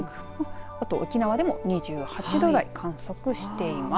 あと沖縄でも２８度台、観測しています。